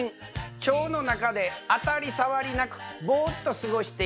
腸の中で当たリ障りなくボーっと過ごしています。